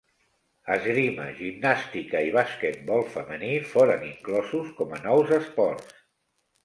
Esgrima, gimnàstica i basquetbol femení foren inclosos com a nous esports.